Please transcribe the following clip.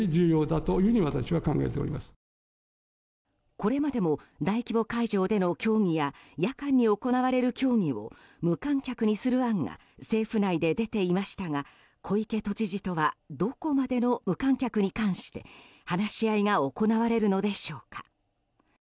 これまでも大規模会場での競技や夜間に行われる競技を無観客にする案が政府内で出ていましたが小池都知事とはどこまでの無観客に関して話し合いが行われるのでしょうか。